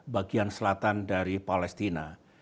bagian selatan dari palestina